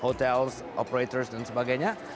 hotel operators dan sebagainya